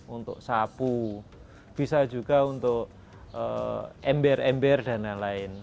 untuk sapu bisa juga untuk ember ember dan lain lain